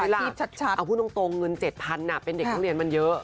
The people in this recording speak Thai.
แล้วท่าไงล่ะเอาผู้ตรงเงิน๗๐๐๐เป็นเด็กฯครัวเรียนมันเยอะ